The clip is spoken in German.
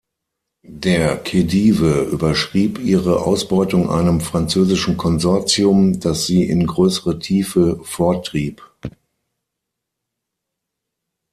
Der Khedive überschrieb ihre Ausbeutung einem französischen Konsortium, das sie in größere Tiefe vortrieb.